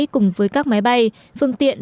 cùng với các máy bay phương tiện